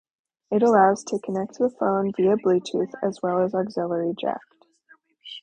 It allows to connect the phone via Bluetooth as well as auxiliary jack.